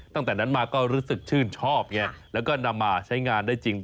ตั้งแต่นั้นมาก็รู้สึกชื่นชอบไงแล้วก็นำมาใช้งานได้จริง